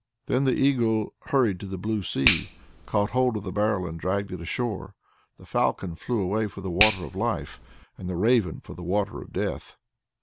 Then the Eagle hurried to the blue sea, caught hold of the barrel, and dragged it ashore; the Falcon flew away for the Water of Life, and the Raven for the Water of Death.